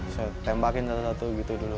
saya tembakin satu satu gitu dulu